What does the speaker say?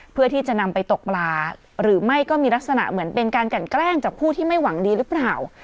เพื่อที่จะนำไปตกปลาหรือไม่ก็มีลักษณะเหมือนเป็นการกันแกล้งจากผู้ที่ไม่หวังดีหรือเปล่า